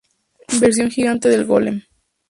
Versión gigante del Golem.